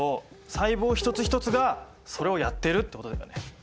細胞一つ一つがそれをやってるってことだよね。